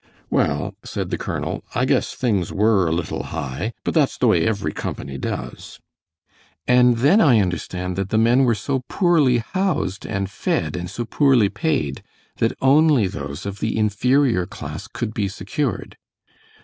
"Well," said the colonel, "I guess things WERE a little high, but that's the way every company does." "And then I understand that the men were so poorly housed and fed and so poorly paid that only those of the inferior class could be secured."